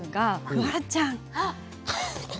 フワちゃん。